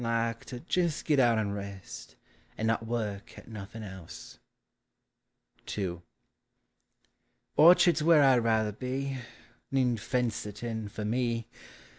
109 Like to jes' git out and rest, And not work at nothin' else! ii. Orchard's where I' ruther be — Needn't fence it in for me